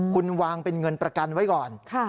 คุณวางเป็นเงินประกันไว้ก่อน